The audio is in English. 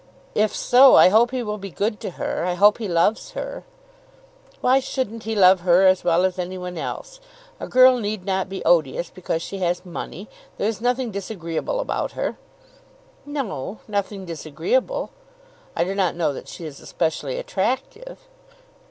"If so I hope he will be good to her. I hope he loves her." "Why shouldn't he love her as well as any one else? A girl need not be odious because she has money. There is nothing disagreeable about her." "No, nothing disagreeable. I do not know that she is especially attractive."